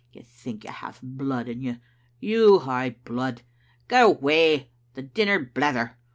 You think you have blood in you. You hae blood ! Gae away, and dinna blether.